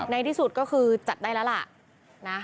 ในที่สุดก็คือจัดได้แล้วล่ะนะ